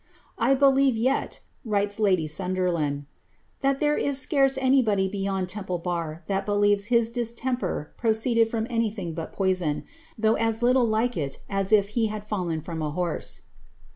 ^^ I believe yet," writes lady Sunderland,' tliat there is scarce anybody beyond Temple bar that believes his dis temper proceeded from anything but poison, though as little like it as if he had fallen from a horse.